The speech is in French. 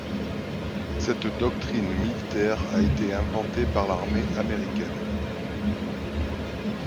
Cette doctrine militaire a été inventée par l'armée américaine.